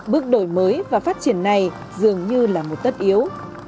bước đổi mới và phát triển này dường như là một tất yếu